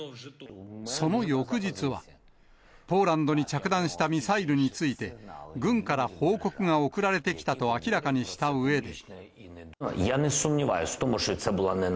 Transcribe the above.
その翌日は、ポーランドに着弾したミサイルについて、軍から報告が送られてきたと明らかにしたうえで。